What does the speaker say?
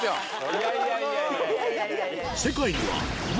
いやいやいやいや！